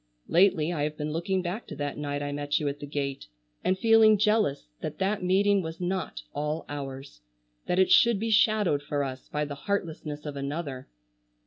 Lately I have been looking back to that night I met you at the gate, and feeling jealous that that meeting was not all ours; that it should be shadowed for us by the heartlessness of another.